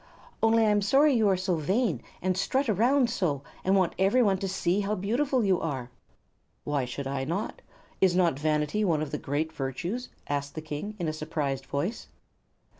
"Only I'm sorry you are so vain, and strut around so, and want everyone to see how beautiful you are." "Why should I not? Is not vanity one of the great virtues?" asked the King, in a surprised voice.